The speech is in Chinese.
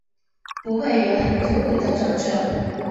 不会有很突兀的转折